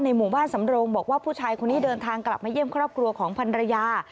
หมู่บ้านสำโรงบอกว่าผู้ชายคนนี้เดินทางกลับมาเยี่ยมครอบครัวของพันรยา